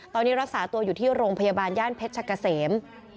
ตอนนี้รักษาตัวอยู่ที่โรงพยาบาลย่านเพชรชะกะเสม